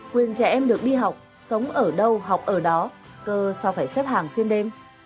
quyền trẻ em được đi học sống ở đâu học ở đó cơ sao phải xếp hàng xuyên đêm